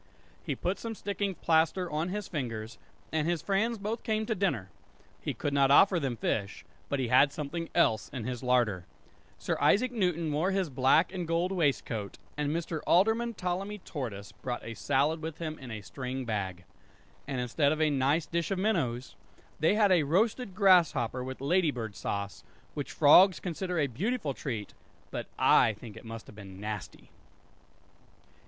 He put some sticking plaster on his fingers, and his friends both came to dinner. He could not offer them fish, but he had something else in his larder. Sir Isaac Newton wore his black and gold waistcoat, And Mr. Alderman Ptolemy Tortoise brought a salad with him in a string bag. And instead of a nice dish of minnows they had a roasted grasshopper with lady bird sauce; which frogs consider a beautiful treat; but I think it must have been nasty!